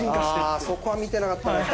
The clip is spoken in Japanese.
あそこは見てなかった。